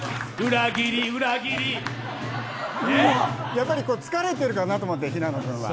やっぱり疲れてるかなと思って、平野君は。